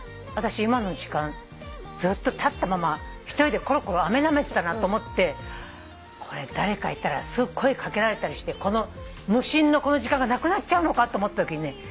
私今の時間ずっと立ったまま一人でコロコロあめなめてたなと思ってこれ誰かいたらすぐ声掛けられたりしてこの無心のこの時間がなくなっちゃうのかと思ったときにね